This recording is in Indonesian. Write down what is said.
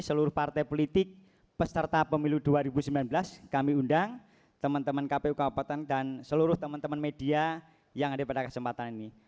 seluruh partai politik peserta pemilu dua ribu sembilan belas kami undang teman teman kpu kabupaten dan seluruh teman teman media yang ada pada kesempatan ini